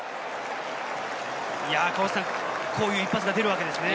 こういう一発が出るわけですね。